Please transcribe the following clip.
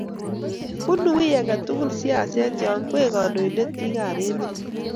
bunu wiy age tugul siaset yo kwee kandoindet bikap emet